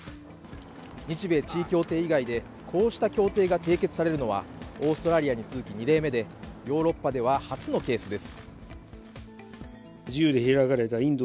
日米地位協定以外でこうした協定が締結されるのはオーストラリアに続き２例目でヨーロッパでは初のケースです。